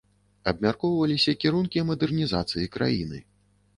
Абмяркоўваліся кірункі мадэрнізацыі краіны.